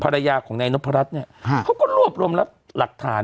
ภรรยาของนายนพรัชเนี่ยเขาก็รวบรวมรับหลักฐาน